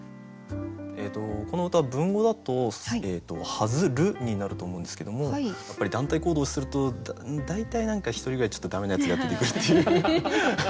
この歌文語だと「はづる」になると思うんですけどもやっぱり団体行動すると大体何か１人ぐらいちょっと駄目なやつが出てくるっていう。